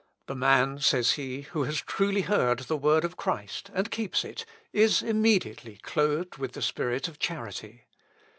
"The man," says he, "who has truly heard the word of Christ, and keeps it, is immediately clothed with the spirit of charity.